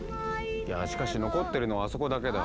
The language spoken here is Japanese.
いやしかし残ってるのはあそこだけだ。